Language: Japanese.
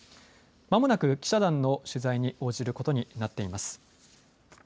まもなく記者団の取材に応じることになっています。